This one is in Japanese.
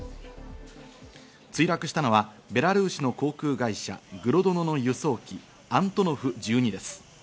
墜落したのはベラルーシの航空会社グロドノの輸送機アントノフ１２です。